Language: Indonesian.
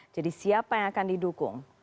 jadi siapa yang akan didukung